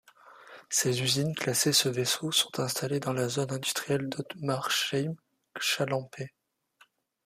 Ses usines classées Seveso sont installées dans la zone industrielle d'Ottmarsheim-Chalampé.